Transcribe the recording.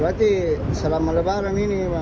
jadi selama lebaran ini